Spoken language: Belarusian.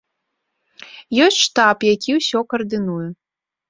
Ёсць штаб, які ўсё каардынуе.